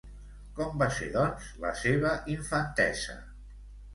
Com va ser, doncs, la seva infantesa?